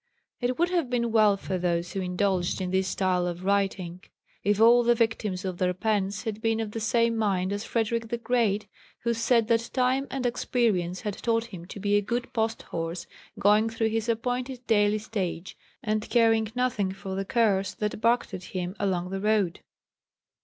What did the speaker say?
It would have been well for those who indulged in this style of writing, if all the victims of their pens had been of the same mind as Frederick the Great, who said that time and experience had taught him to be a good post horse, going through his appointed daily stage, and caring nothing for the curs that barked at him along the road.